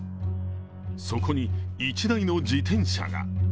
そこに１台の自転車が。